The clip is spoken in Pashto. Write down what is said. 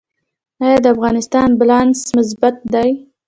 آیا د افغانستان بیلانس مثبت دی؟